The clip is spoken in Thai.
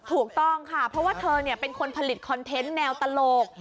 ถูกต้องค่ะเพราะว่าเธอเป็นคนผลิตคอนเทนต์แนวตลก